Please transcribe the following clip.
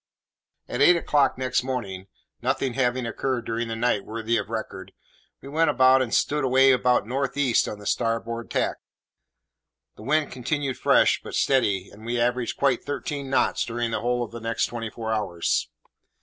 At eight o'clock next morning, nothing having occurred during the night worthy of record, we went about and stood away about north east on the starboard tack. The wind continued fresh, but steady, and we averaged quite thirteen knots during the whole of the next twenty four hours.